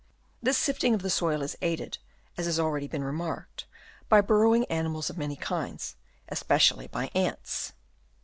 This sifting of the soil is aided, as has already been remarked, by burrowing animals of many kinds, especially by ants.